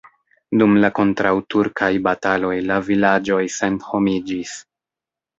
Dum la kontraŭturkaj bataloj la vilaĝoj senhomiĝis.